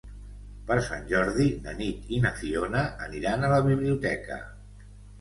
Per Sant Jordi na Nit i na Fiona aniran a la biblioteca.